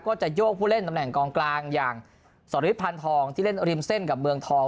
จะโยกผู้เล่นตำแหน่งกองกลางอย่างสริทพันธองที่เล่นริมเส้นกับเมืองทอง